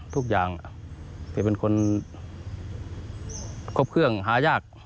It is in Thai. ทุกอย่างแกเป็นคนครบเครื่องหายาก